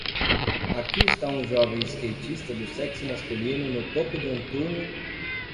Aqui está um jovem skatista do sexo masculino no topo de um turno